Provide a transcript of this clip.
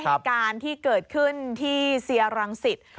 เหตุการณ์ที่เกิดขึ้นที่เซียรังสิต